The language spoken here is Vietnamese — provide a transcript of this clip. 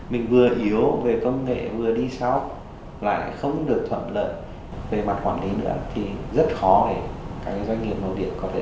mình vừa yếu về công nghệ vừa đi sau lại không được thuận lợi về mặt quản lý nữa thì rất khó để các doanh nghiệp nội địa có thể cạnh tranh được với các doanh nghiệp nước ngoài